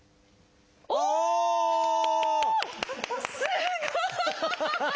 すごい！